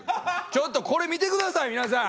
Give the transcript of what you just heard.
ちょっとこれ見て下さい皆さん。